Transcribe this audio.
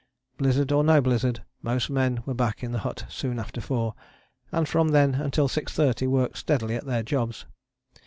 Blizzard or no blizzard, most men were back in the hut soon after four, and from then until 6.30 worked steadily at their jobs.